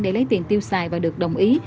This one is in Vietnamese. để lấy tiền tiêu xài và được đồng ý